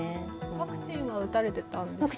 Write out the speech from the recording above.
ワクチンは打たれていたんですか？